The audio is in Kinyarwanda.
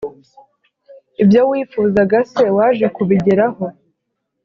ibyo wifuzaga se waje kubigeraho?